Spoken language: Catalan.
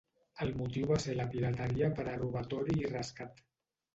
El motiu va ser la pirateria per a robatori i rescat.